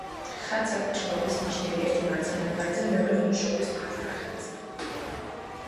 ხატს აქვს ჭრილობის ნიშნები: ერთი მარცხენა მხარეზე, მეორე ღვთისმშობლის მარჯვენა ხელზე.